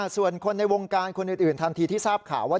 ส่วนคนในวงการคนอื่นทันทีที่ทราบข่าวว่า